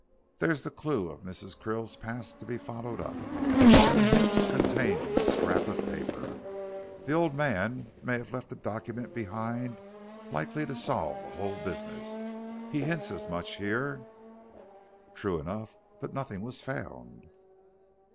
There's the clue of Mrs. Krill's past to be followed up, and the hint contained in this scrap of paper. The old man may have left a document behind likely to solve the whole business. He hints as much here." "True enough, but nothing was found."